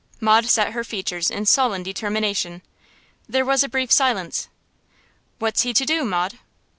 Maud set her features in sullen determination. There was a brief silence. 'What's he to do, Maud?